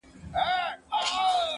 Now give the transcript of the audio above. o د زور اوبه پر لوړه ځي!